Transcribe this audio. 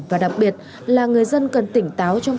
và đặc biệt là người dân cần tỉnh